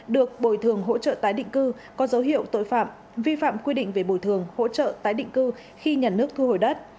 được bồi thường hỗ trợ tái định cư có dấu hiệu tội phạm vi phạm quy định về bồi thường hỗ trợ tái định cư khi nhà nước thu hồi đất